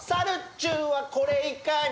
ちゅんはこれいかに？